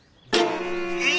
え！